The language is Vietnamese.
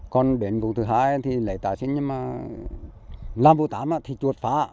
còn đến vùng thứ hai thì lấy tài sinh nhưng mà làm vô tám thì chuột phá